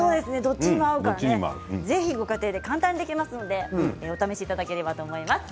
ぜひご家庭で簡単にできますのでお試しいただければと思います。